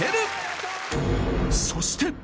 ［そして］